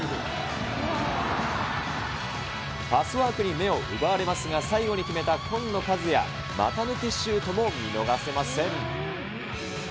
パスワークに目を奪われますが、最後に決めた紺野和也、股抜きシュートも見逃せません。